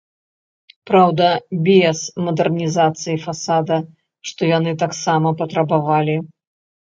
Праўда, без мадэрнізацыі фасада, што яны таксама патрабавалі.